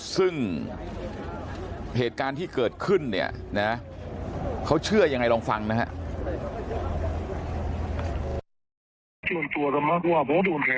ซึ่งเหตุการณ์ที่เกิดขึ้นเนี่ยนะเขาเชื่อยังไงลองฟังนะฮะ